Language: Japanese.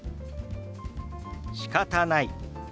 「しかたない」。